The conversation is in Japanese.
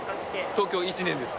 東京１年です。